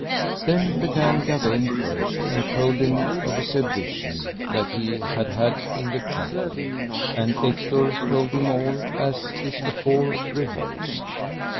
Then began Gawaine first and told him of his advision that he had had in the chapel, and Ector told him all as it is afore rehearsed.